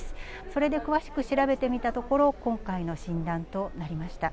それで詳しく調べてみたところ、今回の診断となりました。